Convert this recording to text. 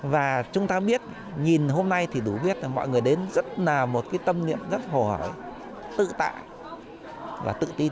và chúng ta biết nhìn hôm nay thì đủ biết là mọi người đến rất là một cái tâm niệm rất hồ hỏi tự tạ và tự tin